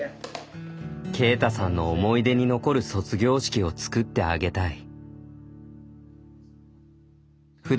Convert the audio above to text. けいたさんの思い出に残る卒業式を作ってあげたい。